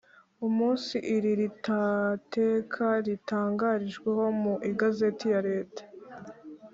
umunsi iri ritateka ritangarijweho mu Igazeti ya leta